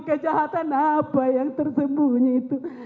kejahatan apa yang tersembunyi itu